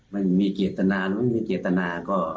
ไม่มีเกียรตนาไม่มีเกียรตนาก็